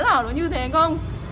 bảo nó như thế không